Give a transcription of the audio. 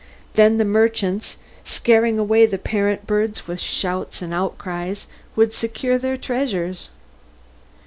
Then the merchants, scaring away the parent birds with shouts and outcries, would secure their treasures.